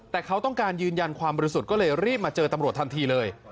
แต่เขาต้องการยืนยันความบริสุทธิ์ก็เลยรีบมาเจอตำรวจทันทีเลย